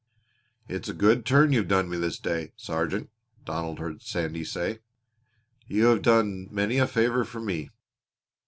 "It's a good turn you've done me this day, Sargeant," Donald heard Sandy say. "You have done many a favor for me."